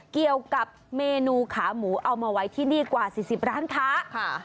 เกี่ยวกับเมนูขาหมูเอามาไว้ที่นี่กว่า๔๐ร้านค้าค่ะ